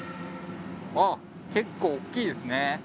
あっ結構大きいですね。